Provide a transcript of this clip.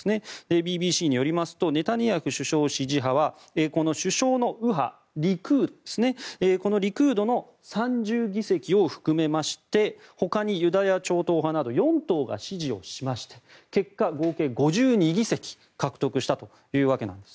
ＢＢＣによりますとネタニヤフ首相支持派はこのリクードの３０議席を含めましてほかにユダヤ教超正統派など４党が支持をしまして合計５２議席獲得したわけです。